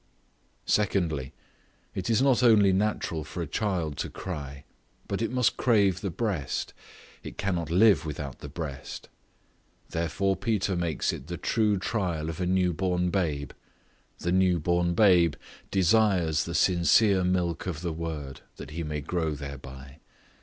Secondly, It is not only natural for a child to cry, but it must crave the breast, it cannot live without the breast; therefore Peter makes it the true trial of a new born babe; the new born babe desires the sincere milk of the Word, that he may grow thereby.